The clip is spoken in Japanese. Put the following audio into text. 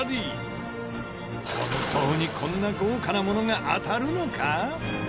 本当にこんな豪華なものが当たるのか？